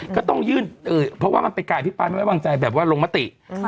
ก็ต้องยื่นเพราะว่ามันจะไปอภิไปร์ไม่วางใจแบบว่าลงมะติ